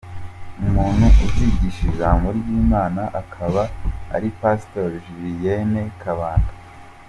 Umuntu uzigisha ijambo ry’Imana akaba ari Pastor Julienne Kabanda.